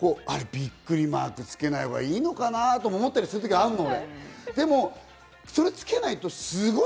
マークをつけないほうがいいのかな？とも思ったりする時あるの。